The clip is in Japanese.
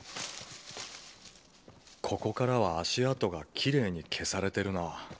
ここからは足跡がきれいに消されてるな。